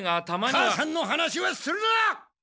母さんの話はするな！